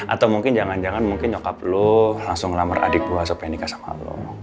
atau mungkin jangan jangan mungkin nyokap lo langsung ngelamar adik gue supaya nikah sama lo